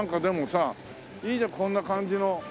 でもさいいねこんな感じの。